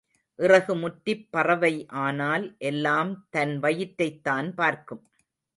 இறகு முற்றிப் பறவை ஆனால் எல்லாம் தன் வயிற்றைத்தான் பார்க்கும்.